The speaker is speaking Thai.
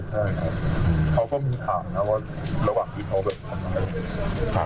ใช่ครับเขาก็มีข่าวนะว่าระหว่างที่เขาแบบทำอะไร